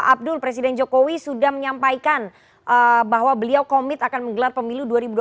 abdul presiden jokowi sudah menyampaikan bahwa beliau komit akan menggelar pemilu dua ribu dua puluh